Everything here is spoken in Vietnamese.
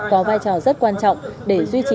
có vai trò rất quan trọng để duy trì